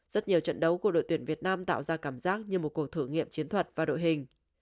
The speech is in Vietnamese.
rất nhiều trận đấu của đội tuyển việt nam tạo ra cảm giác như một cuộc thử nghiệm chiến thuật và đội hình